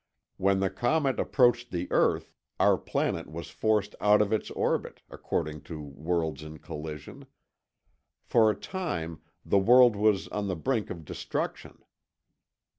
When the comet approached the earth, our planet was forced out of its orbit, according to Worlds in Collision. For a time, the world was on the brink of destruction.